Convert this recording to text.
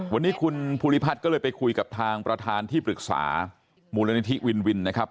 วันนี้คุณภูริพัฒน์ก็เลยไปคุยกับทางประธานที่ปรึกษามูลนิธิวินวินนะครับ